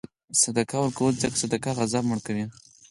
صدقه ورکوه، ځکه صدقه غضب مړه کوي.